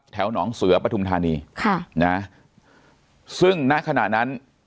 หนองเสือปฐุมธานีค่ะนะซึ่งณขณะนั้น